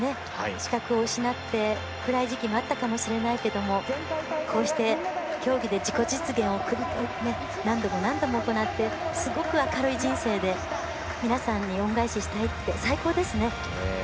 視覚を失って暗い時期もあったかもしれないけれどもこうして競技で自己実現を何度も何度も行ってすごく明るい人生で皆さんに恩返ししたいって最高ですね。